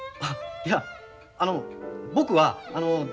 いやあの僕はあの。